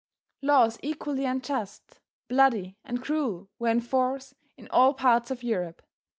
Laws equally unjust, bloody and cruel were in force in all parts of Europe.